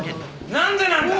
何でなんだ！